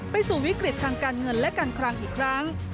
สู่วิกฤตทางการเงินและการคลังอีกครั้ง